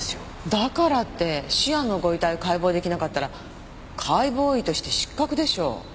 だからってシアンのご遺体を解剖出来なかったら解剖医として失格でしょ。